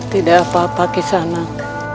tidak apa apa kisah anak